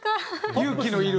勇気のいる？